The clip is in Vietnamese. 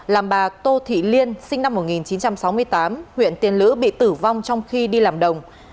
làm bà tô thị liên sinh năm một nghìn chín trăm sáu mươi tám huyện tiền lữ bị tử vong trong khi đi làm đồng